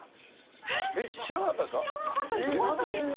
知らなかったです、本当に。